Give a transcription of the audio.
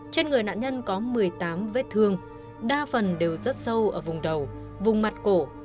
trên người nạn nhân có một mươi tám vết thương đa phần đều rất sâu ở vùng đầu vùng mặt cổ